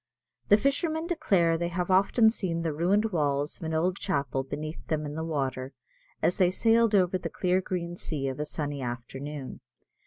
The fishermen declare they have often seen the ruined walls of an old chapel beneath them in the water, as they sailed over the clear green sea of a sunny afternoon.